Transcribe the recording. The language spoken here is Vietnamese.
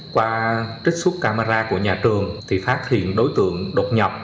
qua trích xuất camera của nhà trường thì phát hiện đối tượng đột nhập